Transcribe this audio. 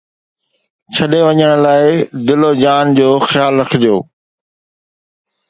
ڇڏي وڃڻ لاءِ دل ۽ جان جو خيال رکجو